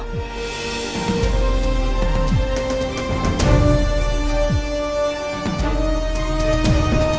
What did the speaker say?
ya tuhan ya tuhan berhati hati